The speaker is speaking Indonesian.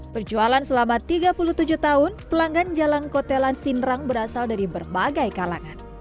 perjualan selama tiga puluh tujuh tahun pelanggan jalangkote la sindra berasal dari berbagai kalangan